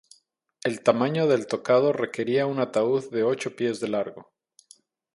El tamaño del tocado requería un ataúd de ocho pies de largo.